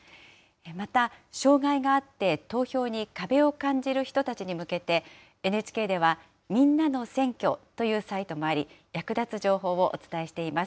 また、障害があって投票に壁を感じる人たちに向けて、ＮＨＫでは、みんなの選挙というサイトもあり、役立つ情報をお伝えしています。